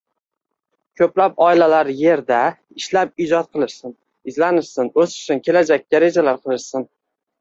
Ko‘plab oilalar yerda ishlab ijod qilishsin, izlanishsin, o‘sishsin, kelajakka rejalar qilishsin